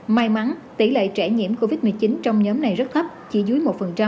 may mắn tỷ lệ trẻ nhiễm covid một mươi chín trong nhóm này rất thấp chỉ dưới một